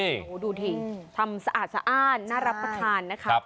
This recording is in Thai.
โอ้โหดูสิทำสะอาดสะอ้านน่ารับประทานนะครับ